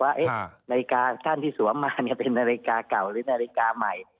ว่านาฬิกาท่านที่สวมมาเป็นนาฬิกาเก่าหรือนาฬิกาใหม่